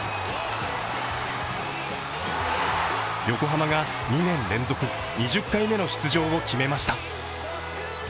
横浜が２年連続、２０回目の出場を決めました。